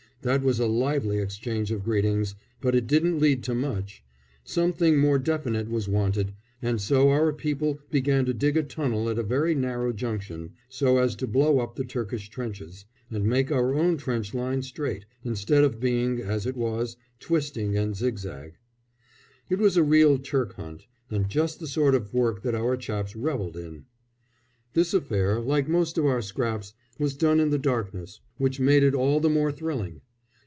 That was a lively exchange of greetings, but it didn't lead to much. Something more definite was wanted, and so our people began to dig a tunnel at a very narrow junction, so as to blow up the Turkish trenches, and make our own trench line straight, instead of being, as it was, twisting and zigzag. It was a real Turk hunt, and just the sort of work that our chaps revelled in. This affair, like most of our scraps, was done in the darkness, which made it all the more thrilling.